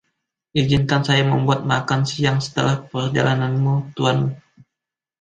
Izinkan saya membuat makan siang setelah perjalananmu, tuan.